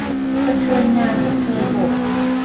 สะเทินน้ำสะเทินบก